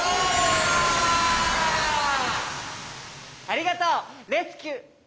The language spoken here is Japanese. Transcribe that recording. ありがとうレスキュー！